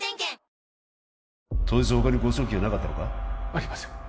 ありません